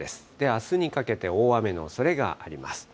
あすにかけて、大雨のおそれがあります。